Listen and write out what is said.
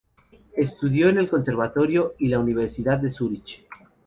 Estudió en el conservatorio y la universidad de Zúrich.